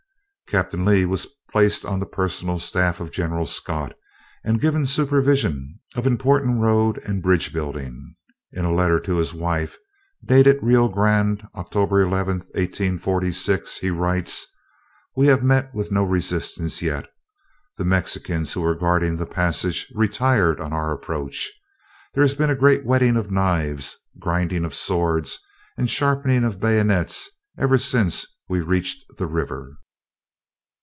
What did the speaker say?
Captain Lee was placed on the personal staff of General Scott, and given supervision of important road and bridge building. In a letter to his wife, dated Rio Grande, October 11, 1846, he writes: "We have met with no resistance yet. The Mexicans who were guarding the passage retired on our approach. There has been a great whetting of knives, grinding of swords, and sharpening of bayonets ever since we reached the river."